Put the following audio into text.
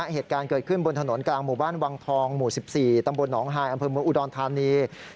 เหตุการณ์เกิดขึ้นบนถนนกลางหมู่บ้านวังทองหมู่๑๔ตำบลหนองฮายอำเภอเมืองอุดรธานี